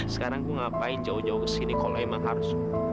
sekarang gue ngapain jauh jauh ke sini kalau emang harus